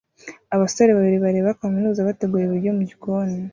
Abasore babiri bareba kaminuza bategura ibiryo mugikoni